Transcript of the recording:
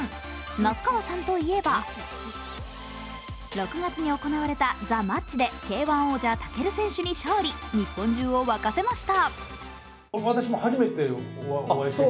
那須川さんといえば６月に行われた「ＴＨＥＭＡＴＣＨ」でＫ−１王者・武尊さんに勝利日本中を沸かせました。